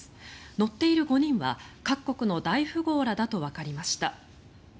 乗っている５人は各国の大富豪らだとわかりました。